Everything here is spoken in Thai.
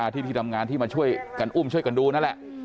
ที่ที่ทำงานที่มาช่วยกันอุ้มช่วยกันดูนั่นแหละ